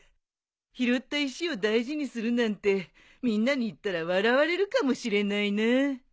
拾った石を大事にするなんてみんなに言ったら笑われるかもしれないな。